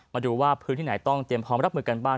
มาดูว่าพื้นที่ไหนต้องเตรียมพร้อมรับมือกันบ้าง